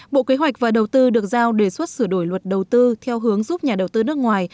bộ kế hoạch và đầu tư được giao đề xuất sửa đổi luật đầu tư theo hướng giúp nhà đầu tư nước ngoài